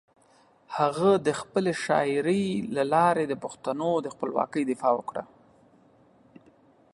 هغه د خپلې شاعري له لارې د پښتنو د خپلواکۍ دفاع وکړه.